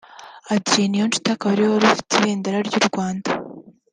Adrien Niyonshuti akaba ariwe wari ufite ibendera ry’u Rwanda